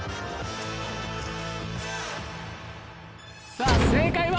さぁ正解は。